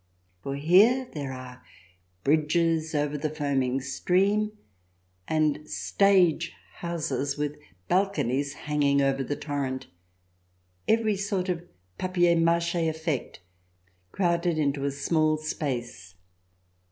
For here there are bridges over the foaming stream, and stage houses with balconies hanging over the torrent — every sort of papier mache efifect crowded into a small space.